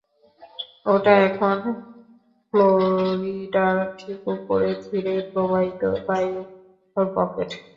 ওটা হলো ফ্লোরিডার ঠিক উপরে ধীরে প্রবাহিত বায়ুর পকেট।